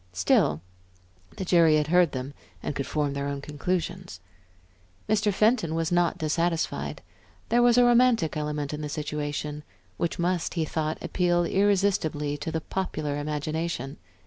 Still, the jury had heard them and could form their own conclusions. Mr. Fenton was not dissatisfied; there was a romantic element in the situation which must, he thought, appeal irresistibly to the popular imagination.